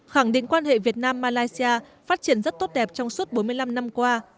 khẳng định quan hệ việt nam malaysia phát triển rất tốt đẹp trong suốt bốn mươi năm năm qua